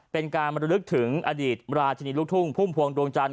เป็นการมาทดลึกถึงอดีตราชินิลุขทุ่งทหลวงดวงจันรย์